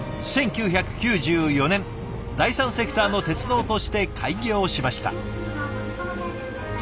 １９９４年第３セクターの鉄道として開業しました。